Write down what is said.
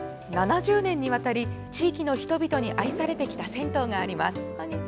７０年にわたり、地域の人々に愛されてきた銭湯があります。